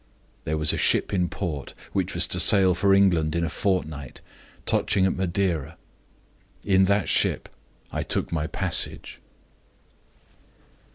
There was a ship in port which was to sail for England in a fortnight, touching at Madeira. In that ship I took my passage."